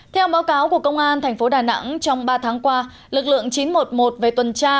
theo báo cáo của công an thành phố đà nẵng trong ba tháng qua lực lượng chín trăm một mươi một về tuần tra